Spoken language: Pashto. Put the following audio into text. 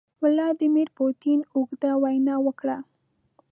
ولادیمیر پوتین اوږده وینا وکړه.